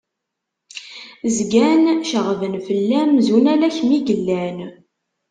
Zgan ceɣben fell-am zun ala kemm i yellan!